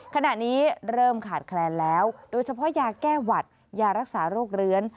ขณะนี้เริ่มขาดแคลนแล้วโดยเฉพาะยาแก้หวัดยารักษาโรคเลื้อน